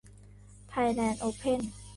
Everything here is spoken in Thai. ไทยแลนด์โอเพ่น